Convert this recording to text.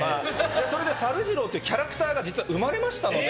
それで、さるジローってキャラクターが実は生まれましたので。